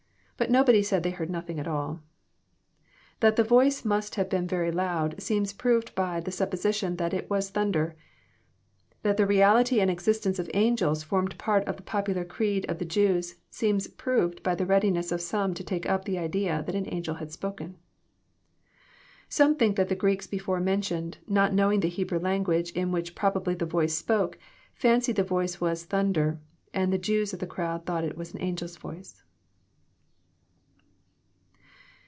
But nobody said they heard nothing at all. That the voice must have been very loud, seems proved by the supposition that it was " thunder." That the reality and existence of angels formed part of the popular creed of the Jews, seems proved by the readiness of some to take up the idea that an angel had spoken. Some think that the Greeks before mentioned, not knowing the Hebrew language in which probably the voice spoke, fancied the voice was thunder, and the Jews of the crowd thought it an angel's voice.